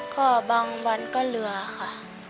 ก็บางวันก็เหลือค่ะ